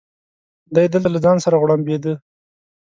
دی دلته له ځان سره غوړمبېده.